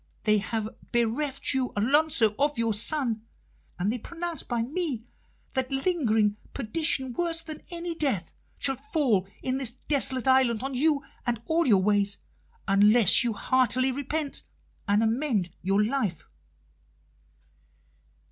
They have bereft you, Alonso, of your son, and they pronounce by me that lingering perdition worse than any death shall fall in this desolate island on you and all your ways, unless you heartily repent and amend your life."